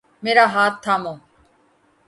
میرا ہاتھ تھامو